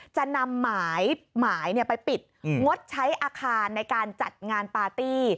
จะนำหมายไปปิดงดใช้อาคารในการจัดงานปาร์ตี้